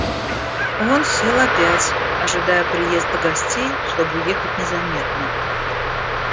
Он сел опять, ожидая приезда гостей, чтоб уехать незаметно.